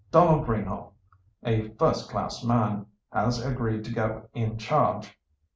Donald Greenhaugh, a first class man, has agreed to go in charge.